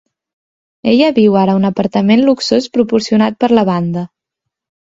Ella viu ara en un apartament luxós proporcionat per la banda.